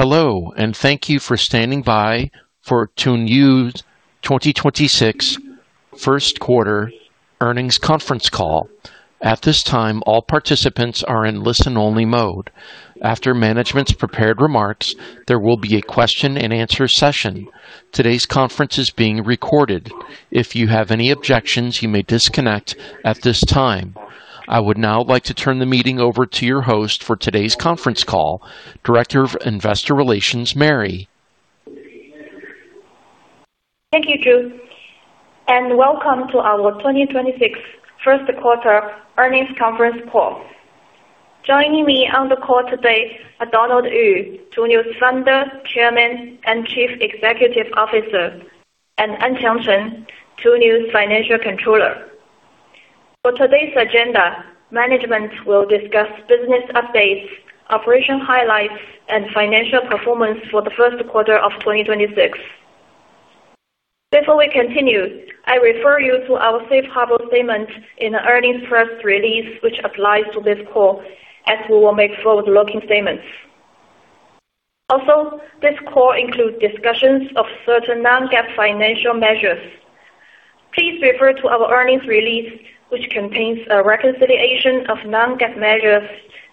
Hello, thank you for standing by for Tuniu's 2026 First Quarter Earnings Conference Call. At this time, all participants are in listen only mode. After management's prepared remarks, there will be a question-and-answer session. Today's conference is being recorded. If you have any objections, you may disconnect at this time. I would now like to turn the meeting over to your host for today's conference call, Director of Investor Relations, Mary. Thank you, June, and welcome to our 2026 first quarter earnings conference call. Joining me on the call today are Donald Yu, Tuniu's Founder, Chairman, and Chief Executive Officer, and Anqiang Chen, Tuniu's Financial Controller. For today's agenda, management will discuss business updates, operation highlights, and financial performance for the first quarter of 2026. Before we continue, I refer you to our Safe Harbor statement in the earnings press release which applies to this call, as we will make forward-looking statements. Also, this call includes discussions of certain non-GAAP financial measures. Please refer to our earnings release, which contains a reconciliation of non-GAAP measures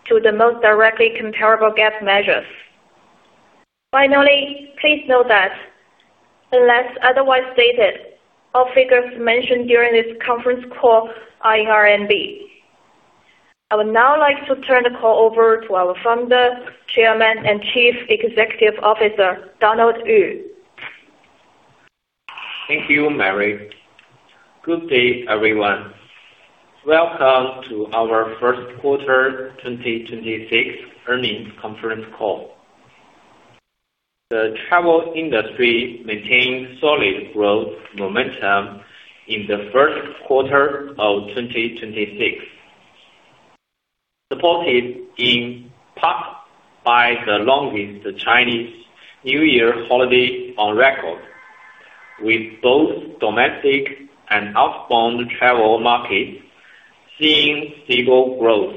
to the most directly comparable GAAP measures. Finally, please note that unless otherwise stated, all figures mentioned during this conference call are in RMB. I would now like to turn the call over to our Founder, Chairman, and Chief Executive Officer, Donald Yu. Thank you, Mary. Good day, everyone. Welcome to our first quarter 2026 earnings conference call. The travel industry maintained solid growth momentum in the first quarter of 2026, supported in part by the longest Chinese New Year holiday on record, with both domestic and outbound travel markets seeing stable growth.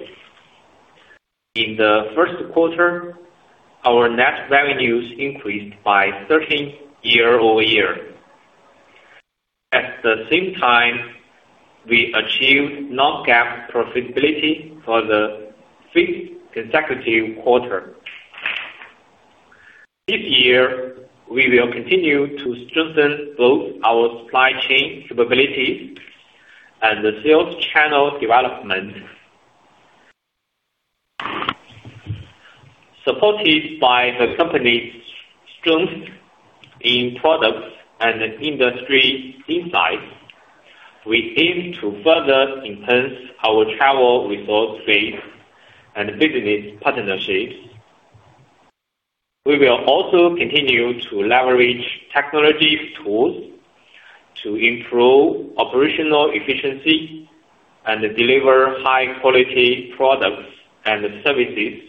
In the first quarter, our net revenues increased by 13% year-over-year. At the same time, we achieved non-GAAP profitability for the fifth consecutive quarter. This year, we will continue to strengthen both our supply chain capability and the sales channel development. Supported by the company's strength in products and industry insight, we aim to further enhance our travel resource base and business partnerships. We will also continue to leverage technology tools to improve operational efficiency and deliver high-quality products and services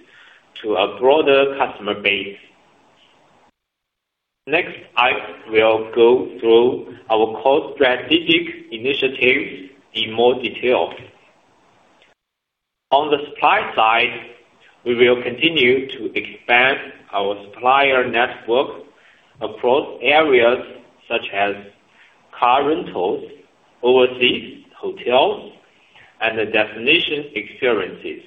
to a broader customer base. Next, I will go through our core strategic initiatives in more detail. On the supply side, we will continue to expand our supplier network across areas such as car rentals, overseas hotels, and destination experiences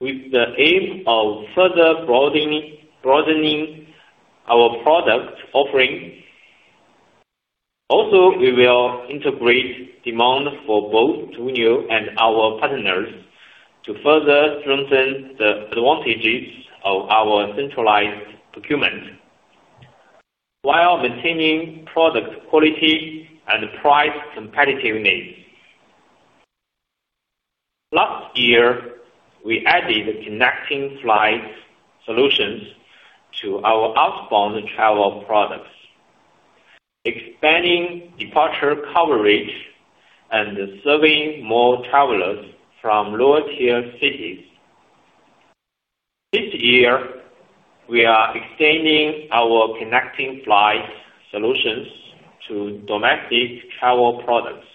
with the aim of further broadening our product offering. Also, we will integrate demand for both Tuniu and our partners to further strengthen the advantages of our centralized procurement while maintaining product quality and price competitiveness. Last year, we added connecting flight solutions to our outbound travel products, expanding departure coverage and serving more travelers from lower-tier cities. This year, we are extending our connecting flight solutions to domestic travel products,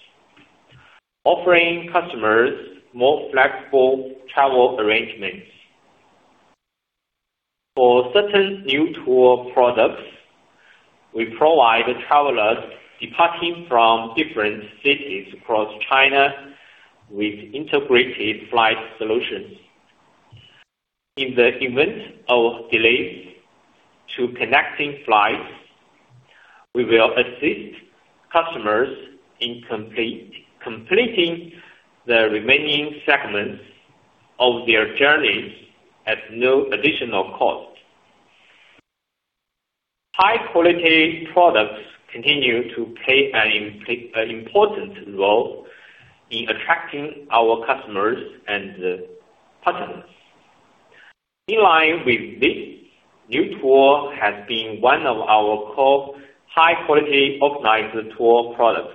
offering customers more flexible travel arrangements. For certain Niu Tour products, we provide travelers departing from different cities across China with integrated flight solutions. In the event of delays to connecting flights, we will assist customers in completing the remaining segments of their journeys at no additional cost. High-quality products continue to play an important role in attracting our customers and partners. In line with this, Niu Tour has been one of our core high-quality organized tour products,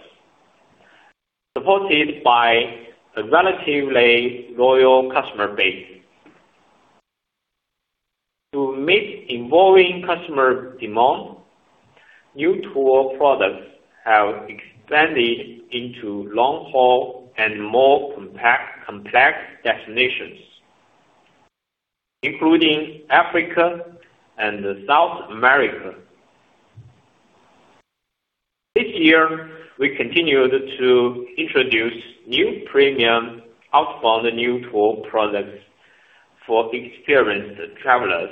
supported by a relatively loyal customer base. To meet evolving customer demand, Niu Tour products have expanded into long-haul and more complex destinations, including Africa and South America. This year, we continued to introduce new premium outbound tour products for experienced travelers,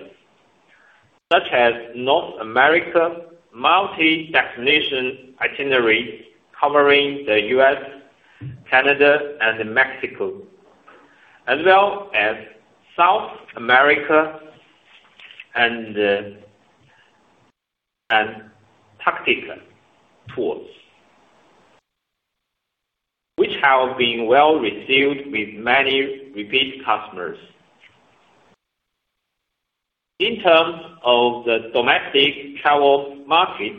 such as North America multi-destination itineraries covering the U.S., Canada, and Mexico, as well as South America and Antarctica tours, which have been well-received with many repeat customers. In terms of the domestic travel market,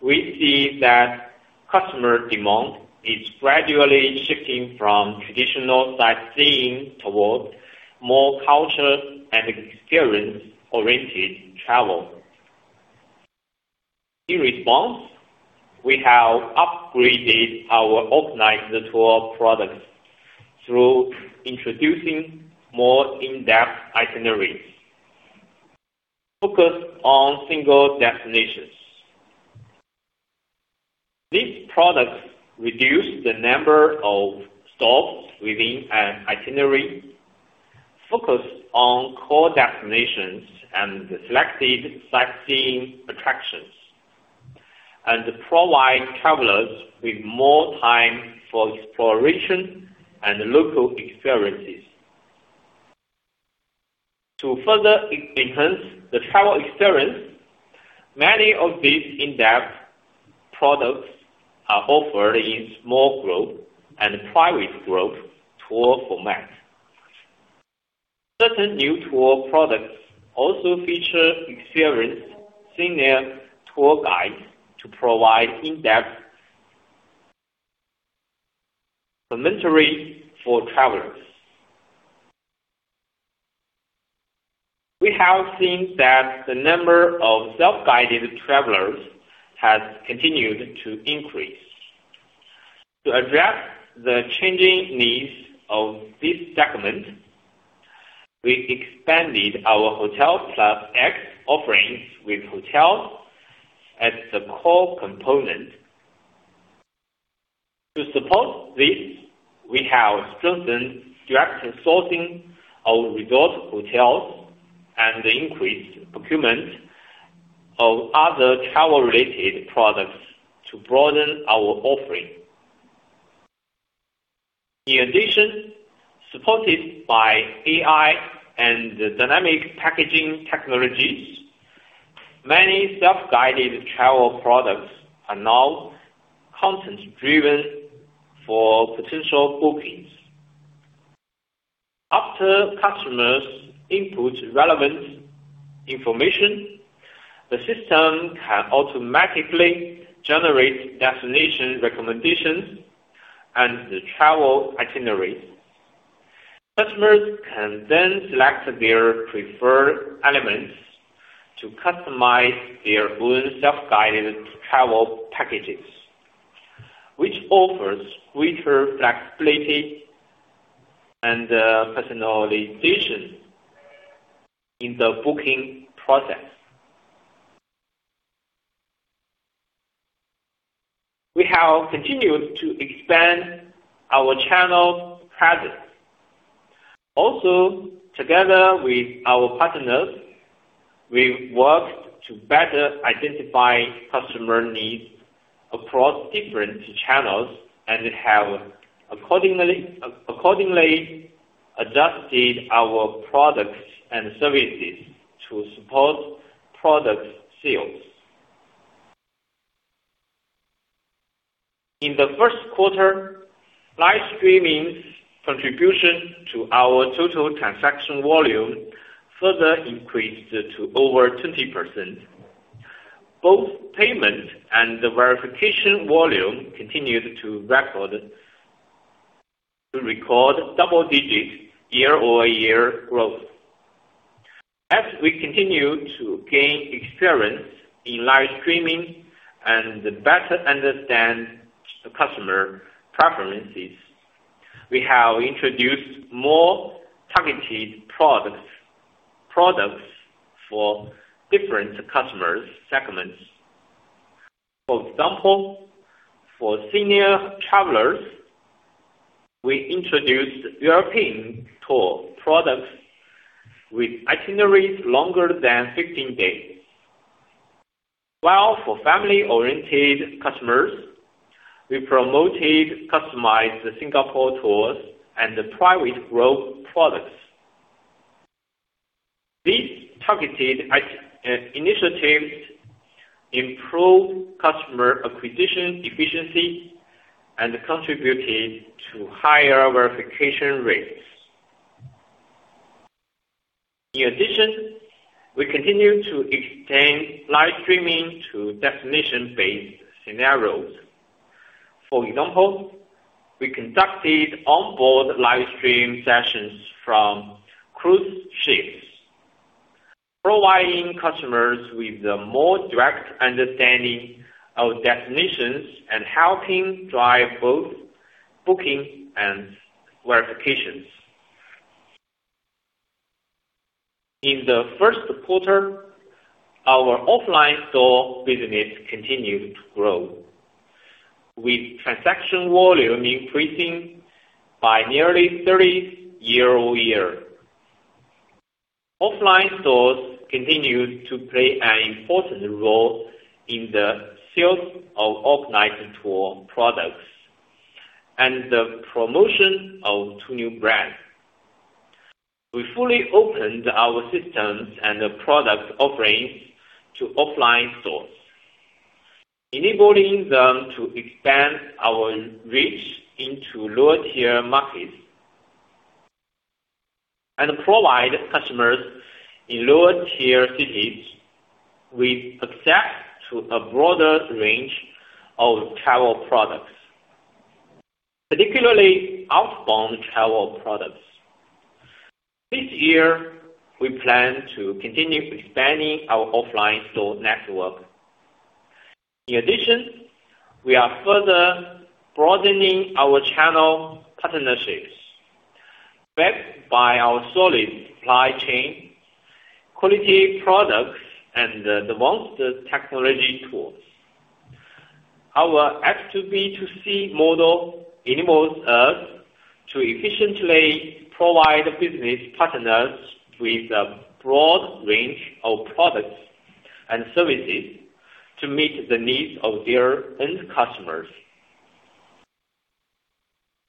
we see that customer demand is gradually shifting from traditional sightseeing towards more culture and experience-oriented travel. In response, we have upgraded our organized tour products through introducing more in-depth itineraries focused on single destinations. These products reduce the number of stops within an itinerary, focus on core destinations and selected sightseeing attractions, and provide travelers with more time for exploration and local experiences. To further enhance the travel experience, many of these in-depth products are offered in small group and private group tour formats. Certain Niu Tour products also feature experienced senior tour guides to provide in-depth commentary for travelers. We have seen that the number of self-guided travelers has continued to increase. To address the changing needs of this segment, we expanded our Hotel+ offerings with hotels as the core component. To support this, we have strengthened direct sourcing of resort hotels and increased procurement of other travel-related products to broaden our offering. In addition, supported by AI and dynamic packaging technologies, many self-guided travel products are now content-driven for potential bookings. After customers input relevant information, the system can automatically generate destination recommendations and travel itineraries. Customers can then select their preferred elements to customize their own self-guided travel packages, which offers greater flexibility and personalization in the booking process. We have continued to expand our channel presence. Also, together with our partners, we've worked to better identify customer needs across different channels and have accordingly adjusted our products and services to support product sales. In the first quarter, live streaming's contribution to our total transaction volume further increased to over 20%. Both payment and the verification volume continued to record double-digit year-over-year growth. As we continue to gain experience in live streaming and better understand customer preferences, we have introduced more targeted products for different customer segments. For example, for senior travelers, we introduced European tour products with itineraries longer than 15 days. While for family-oriented customers, we promoted customized Singapore tours and private group products. These targeted initiatives improved customer acquisition efficiency and contributed to higher verification rates. In addition, we continue to extend live streaming to destination-based scenarios. For example, we conducted onboard live stream sessions from cruise ships, providing customers with a more direct understanding of destinations and helping drive both booking and verifications. In the first quarter, our offline store business continued to grow, with transaction volume increasing by nearly 30% year-over-year. Offline stores continued to play an important role in the sales of organized tour products and the promotion of Tuniu brands. We fully opened our systems and the product offerings to offline stores, enabling them to expand our reach into lower-tier markets and provide customers in lower-tier cities with access to a broader range of travel products, particularly outbound travel products. This year, we plan to continue expanding our offline store network. In addition, we are further broadening our channel partnerships backed by our solid supply chain, quality products, and advanced technology tools. Our S2B2C model enables us to efficiently provide business partners with a broad range of products and services to meet the needs of their end customers.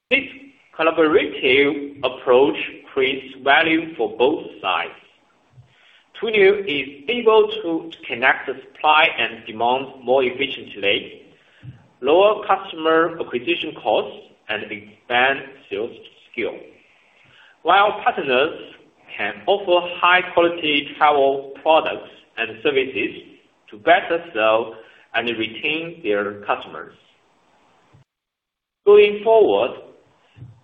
This collaborative approach creates value for both sides. Tuniu is able to connect the supply and demand more efficiently, lower customer acquisition costs, and expand sales scale, while partners can offer high-quality travel products and services to better sell and retain their customers. Going forward,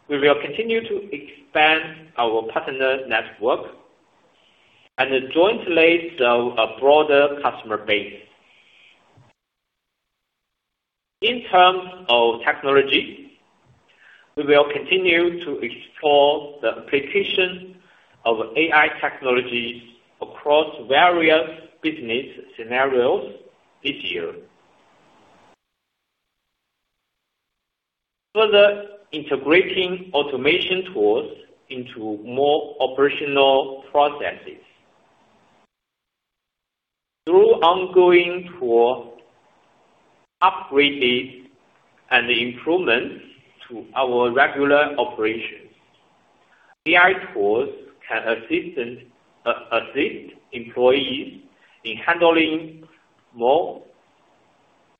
we will continue to expand our partner network and jointly serve a broader customer base. In terms of technology, we will continue to explore the application of AI technology across various business scenarios this year, further integrating automation tools into more operational processes. Through ongoing tool upgrading and improvements to our regular operations, AI tools can assist employees in handling more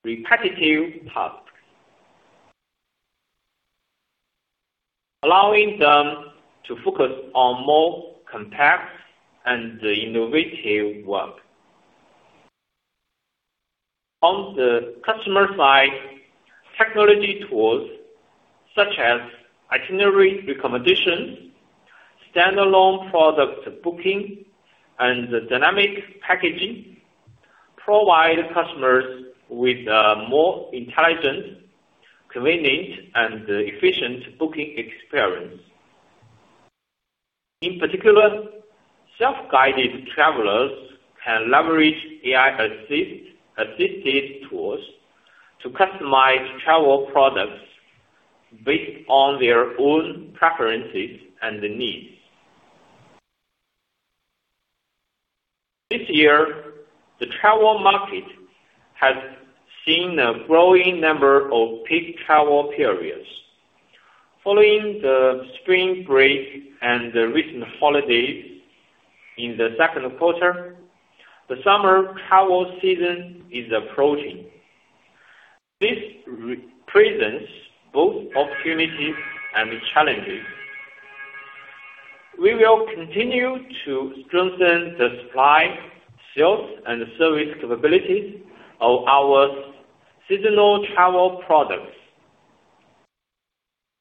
repetitive tasks, allowing them to focus on more complex and innovative work. On the customer side, technology tools such as itinerary recommendation, standalone product booking, and dynamic packaging provide customers with a more intelligent, convenient, and efficient booking experience. In particular, self-guided travelers can leverage AI-assisted tools to customize travel products based on their own preferences and needs. This year, the travel market has seen a growing number of peak travel periods. Following the spring break and the recent holidays in the second quarter, the summer travel season is approaching. This represents both opportunities and challenges. We will continue to strengthen the supply, sales, and service capabilities of our seasonal travel products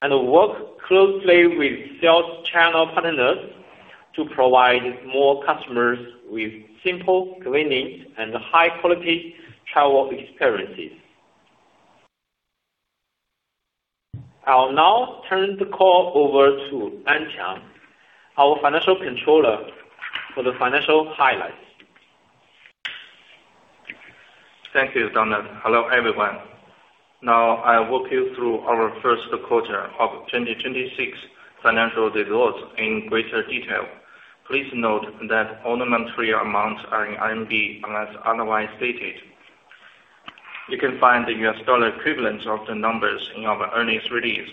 and work closely with sales channel partners to provide more customers with simple, convenient, and high-quality travel experiences. I'll now turn the call over to Anqiang, our Financial Controller, for the financial highlights. Thank you, Donald. Hello, everyone. I'll walk you through our first quarter of 2026 financial results in greater detail. Please note that all monetary amounts are in RMB, unless otherwise stated. You can find the US dollar equivalents of the numbers in our earnings release.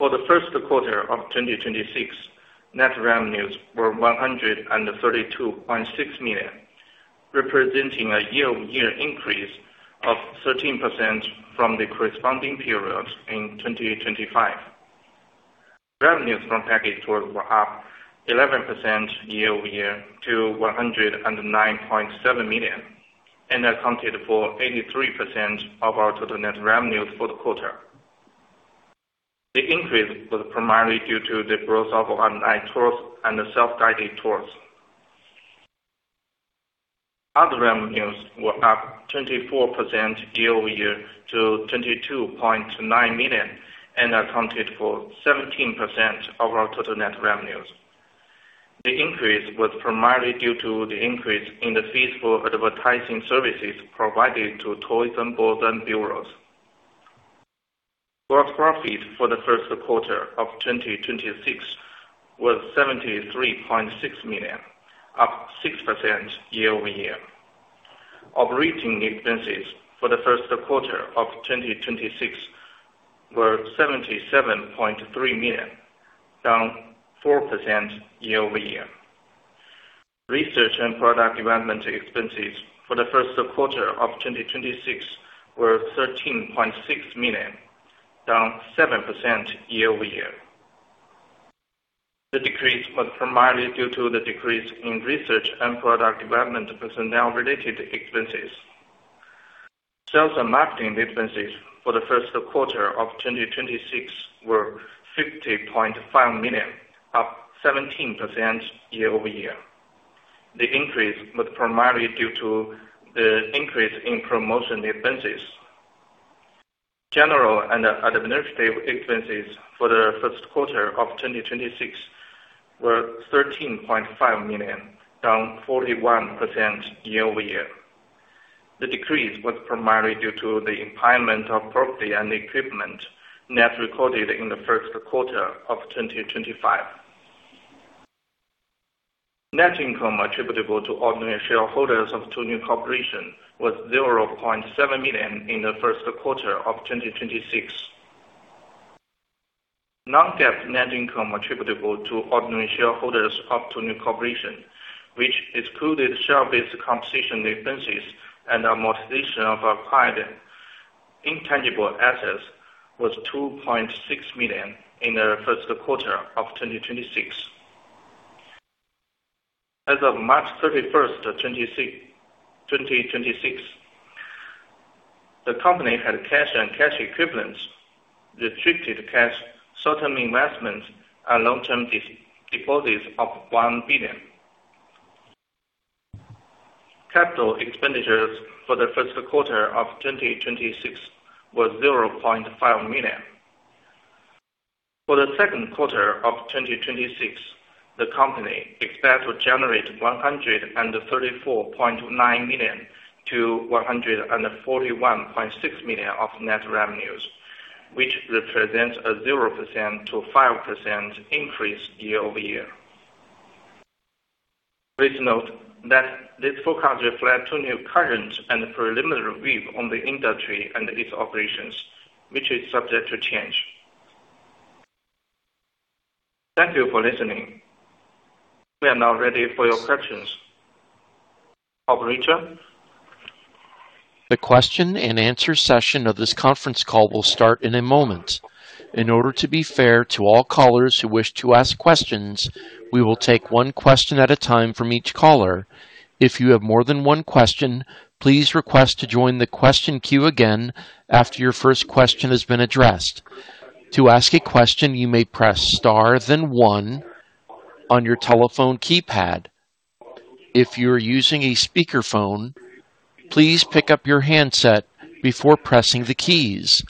For the first quarter of 2026, net revenues were 132.6 million, representing a year-over-year increase of 13% from the corresponding periods in 2025. Revenues from package tours were up 11% year-over-year to 109.7 million and accounted for 83% of our total net revenues for the quarter. The increase was primarily due to the growth of outbound tours and the self-guided tours. Other revenues were up 24% year-over-year to 22.9 million, and accounted for 17% of our total net revenues. The increase was primarily due to the increase in the fees for advertising services provided to tourism boards and bureaus. Gross profit for the first quarter of 2026 was 73.6 million, up 6% year-over-year. Operating expenses for the first quarter of 2026 were RMB 77.3 million, down 4% year-over-year. Research and product development expenses for the first quarter of 2026 were 13.6 million, down 7% year-over-year. The decrease was primarily due to the decrease in research and product development personnel-related expenses. Sales and marketing expenses for the first quarter of 2026 were 50.5 million, up 17% year-over-year. The increase was primarily due to the increase in promotion expenses. General and administrative expenses for the first quarter of 2026 were 13.5 million, down 41% year-over-year. The decrease was primarily due to the impairment of property and equipment net recorded in the first quarter of 2025. Net income attributable to ordinary shareholders of Tuniu Corporation was 0.7 million in the first quarter of 2026. Non-GAAP net income attributable to ordinary shareholders of Tuniu Corporation, which excluded share-based compensation expenses and amortization of acquired intangible assets, was 2.6 million in the first quarter of 2026. As of March 31st, 2026, the company had cash and cash equivalents, restricted cash, short-term investments, and long-term deposits of 1 billion. Capital expenditures for the first quarter of 2026 were 0.5 million. For the second quarter of 2026, the company expects to generate 134.9 million-141.6 million of net revenues, which represents a 0%-5% increase year-over-year. Please note that this forecast reflects Tuniu's current and preliminary view on the industry and its operations, which is subject to change. Thank you for listening. We are now ready for your questions. Operator? The question-and-answer session of this conference call will start in a moment. In order to be fair to all callers who wish to ask questions, we will take one question at a time from each caller. If you have more than one question, please request to join the question queue again after your first question has been addressed. To ask a question, you may press star then one on your telephone keypad. If you're using a speakerphone, please pick up your handset before pressing the keys.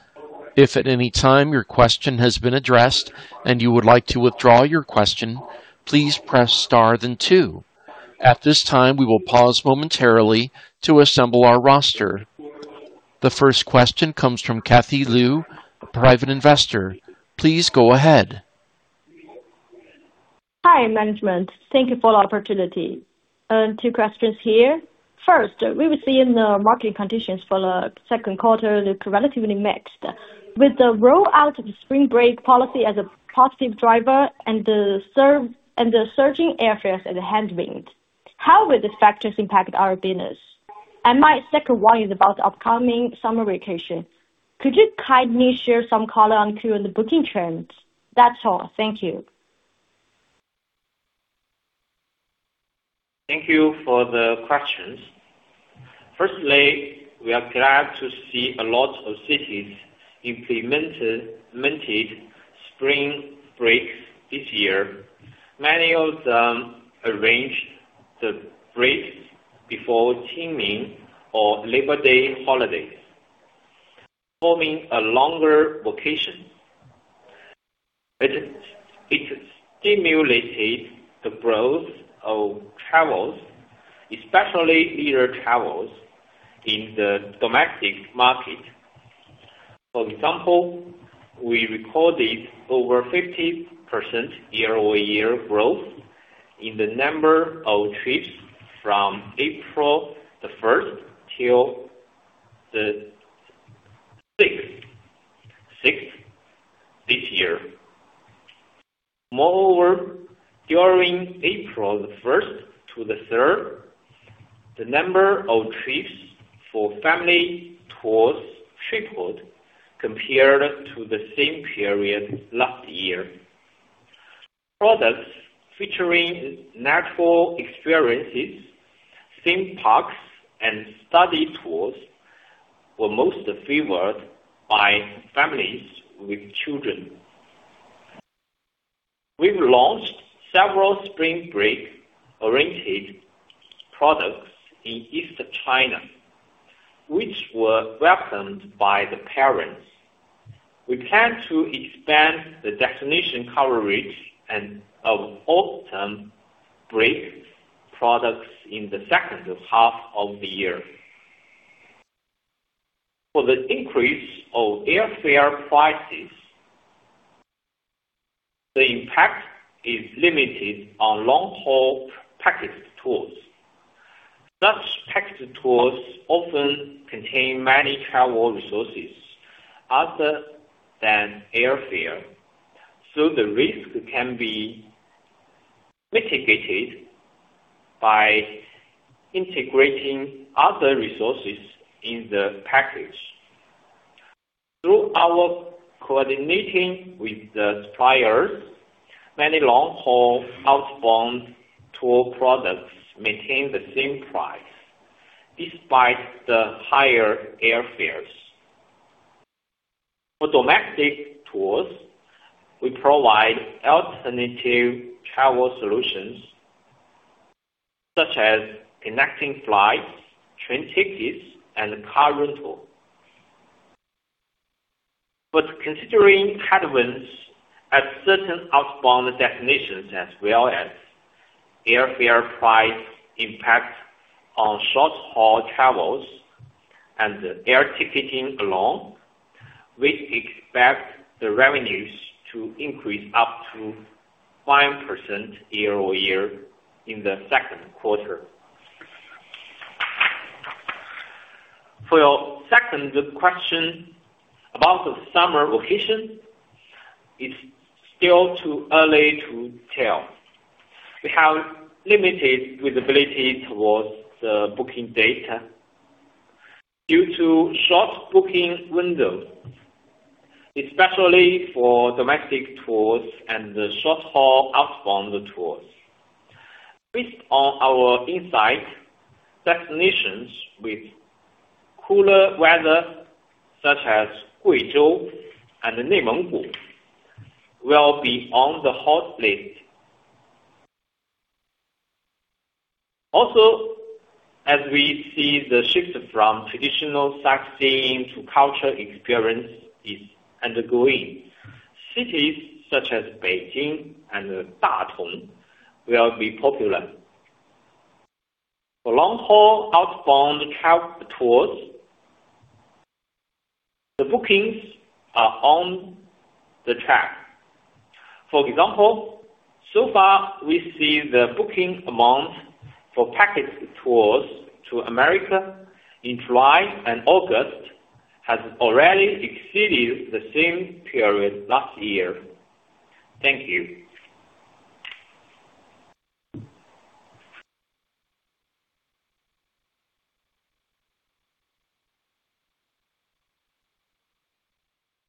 If at any time your question has been addressed and you would like to withdraw your question, please press star then two. At this time, we will pause momentarily to assemble our roster. The first question comes from Cathy Lu, Private Investor. Please go ahead. Hi, management. Thank you for the opportunity. Two questions here. First, we were seeing the market conditions for the second quarter look relatively mixed. With the rollout of the spring break policy as a positive driver and the surging airfares as a headwind, how will these factors impact our business? My second one is about upcoming summer vacation. Could you kindly share some color on current booking trends? That's all. Thank you. Thank you for the questions. Firstly, we are glad to see a lot of cities implemented spring breaks this year. Many of them arranged the breaks before Qingming or Labor Day holidays, forming a longer vacation. It stimulated the growth of travels, especially air travels, in the domestic market. For example, we recorded over 50% year-over-year growth in the number of trips from April 1st-6th this year. Moreover, during April 1st-3rd. The number of trips for family tours tripled compared to the same period last year. Products featuring natural experiences, theme parks, and study tours were most favored by families with children. We've launched several spring break-oriented products in East China, which were welcomed by the parents. We plan to expand the destination coverage of autumn break products in the second half of the year. For the increase of airfare prices, the impact is limited on long-haul package tours. Such package tours often contain many travel resources other than airfare, so the risk can be mitigated by integrating other resources in the package. Through our coordinating with the suppliers, many long-haul outbound tour products maintain the same price despite the higher airfares. For domestic tours, we provide alternative travel solutions such as connecting flights, train tickets, and car rental. Considering headwinds at certain outbound destinations, as well as airfare price impact on short-haul travels and air ticketing alone, we expect the revenues to increase up to 5% year-over-year in the second quarter. For your second question about the summer vacation, it is still too early to tell. We have limited visibility towards the booking data due to short booking windows, especially for domestic tours and the short-haul outbound tours. Based on our insight, destinations with cooler weather such as Guizhou and Neimenggu will be on the hot list. Also, as we see the shift from traditional sightseeing to culture experience is ongoing, cities such as Beijing and Datong will be popular. For long-haul outbound travel tours, the bookings are on the chart. For example, so far, we see the booking amount for package tours to America in July and August has already exceeded the same period last year. Thank you.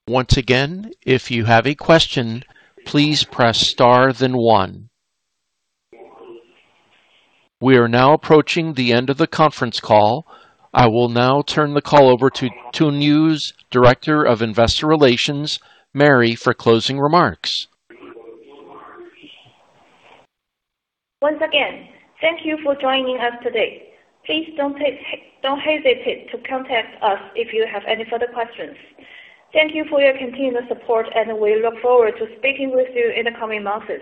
Once again, if you have a question, please press star then one. We are now approaching the end of the conference call. I will now turn the call over to Tuniu's Director of Investor Relations, Mary, for closing remarks. Once again, thank you for joining us today. Please don't hesitate to contact us if you have any further questions. Thank you for your continuous support, and we look forward to speaking with you in the coming months.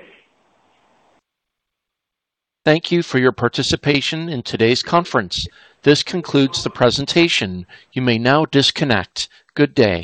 Thank you for your participation in today's conference. This concludes the presentation. You may now disconnect. Good day.